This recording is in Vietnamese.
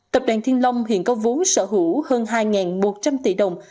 tập đoàn thiên long hiện có vốn sở hữu hơn hai một trăm linh tỷ đồng